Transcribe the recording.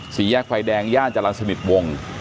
สี่แยกไฟแดงย่านจรรย์สนิทวง